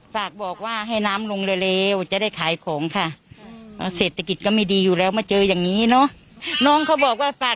พอได้ยินเสียงหัวเราะ